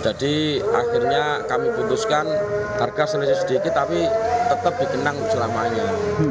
jadi akhirnya kami putuskan harga sedikit sedikit tapi tetap dikenang selamanya